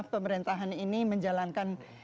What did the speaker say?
pemerintahan ini menjalankan